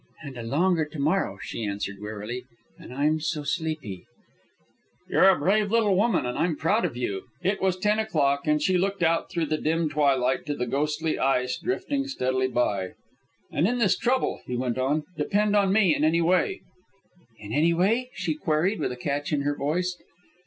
"And a longer to morrow," she answered, wearily. "And I'm so sleepy." "You're a brave little woman, and I'm proud of you." It was ten o'clock, and he looked out through the dim twilight to the ghostly ice drifting steadily by. "And in this trouble," he went on, "depend upon me in any way." "In any way?" she queried, with a catch in her voice.